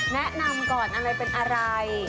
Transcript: แนะนำก่อนอะไรเป็นอะไร